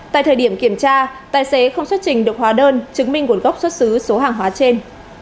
tại thời điểm kiểm tra tài xế không xuất trình được hóa đơn chứng minh nguồn gốc xuất xứ số hàng hóa trên